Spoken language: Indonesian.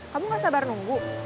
kamu gak sabar nunggu